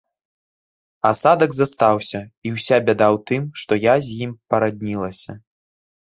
Асадак застаўся і ўся бяда ў тым, што я з ім параднілася.